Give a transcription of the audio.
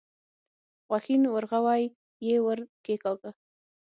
غوښين ورغوی يې ور کېکاږه.